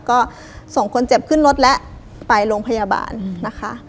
ก็ส่งคนเจ็บขึ้นรถและไปโรงพยาบาลนะคะ